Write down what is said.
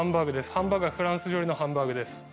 ハンバーグはフランス料理のハンバーグです